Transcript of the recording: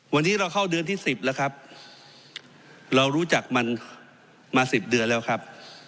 วันนี้เราเข้าเดือนที่๑๐แล้วครับเรารู้จักมันมา๑๐เดือนแล้วครับ